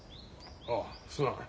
ああすまん。